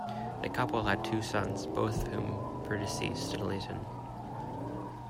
The couple had two sons, both of whom predeceased Lytton.